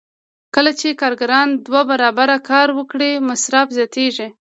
کله چې کارګران دوه برابره کار وکړي مصارف زیاتېږي